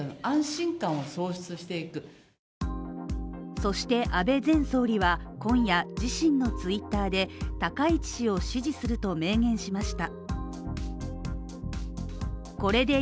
そして安倍前総理は今夜、自身のＴｗｉｔｔｅｒで高市氏を支持すると明言しました。